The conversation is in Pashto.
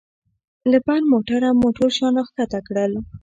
له بند موټره مو ټول شیان را کښته کړل.